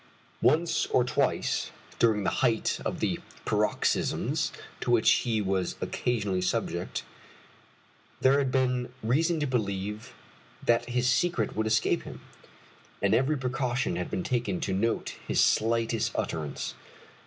Once or twice, during the height of the paroxysms to which he was occasionally subject, there had been reason to believe that his secret would escape him, and every precaution had been taken to note his slightest utterance.